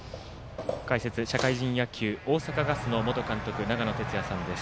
解説、社会人野球大阪ガス元監督の長野哲也さんです。